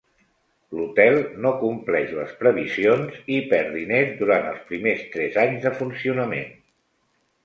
L'hotel no compleix les previsions i perd diners durant els primers tres anys de funcionament.